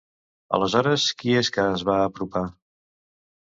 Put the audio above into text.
Aleshores, qui és que es va apropar?